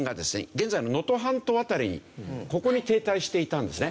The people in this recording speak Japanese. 現在の能登半島辺りにここに停滞していたんですね。